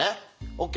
ＯＫ？